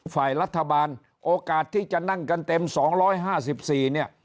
ฝ่ายรัฐบาลโอกาสที่จะนั่งกันเต็ม๒๕๔เนี่ย